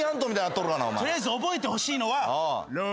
取りあえず覚えてほしいのはロー。